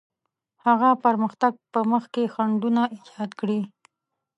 هغه پرمختګ په مخ کې خنډونه ایجاد کړي.